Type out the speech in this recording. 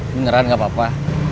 beneran nggak apa apa